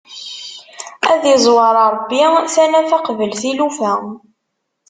Ad izwer Ṛebbi tanafa qbel tilufa!